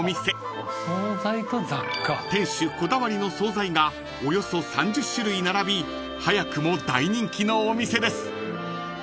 ［店主こだわりの総菜がおよそ３０種類並び早くも大人気のお店です］